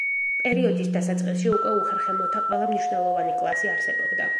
პერიოდის დასაწყისში უკვე უხერხემლოთა ყველა მნიშვნელოვანი კლასი არსებობდა.